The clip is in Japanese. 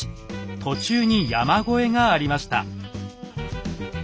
途中に山越えがありました。